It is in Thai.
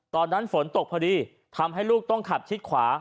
ตอนนั้นฝนตกพอดีทำให้ลูกต้องขับชิดขวา